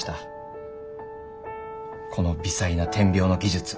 この微細な点描の技術。